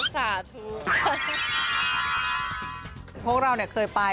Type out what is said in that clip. จุดค่ะ